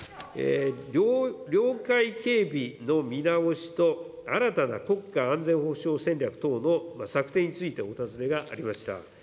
領海警備の見直しと、新たな国家安全保障戦略等の策定についてお尋ねがありました。